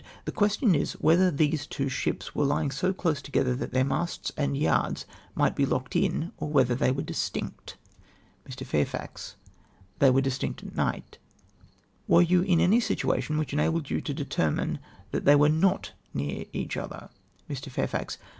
—" The question is, whether these two ships were lying so close together that their masts and yards might Le locked in, or whether they were distinct ?" Mr. Fairfax. —" They were distinct at night /" "Were you in any situation which enabled you to deter mine that they were not near each other ?" Mr. Fairfax.